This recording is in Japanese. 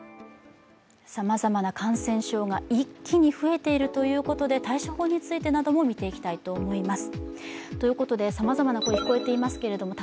さまざまな感染症が一気に増えているということで対処法についてなども見ていきたいと思います。